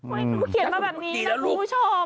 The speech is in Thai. เขาเขียนแบบนี้นะคุณผู้ชมดีนะลูก